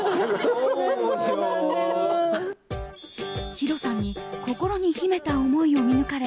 ヒロさんに心に秘めた思いを見抜かれ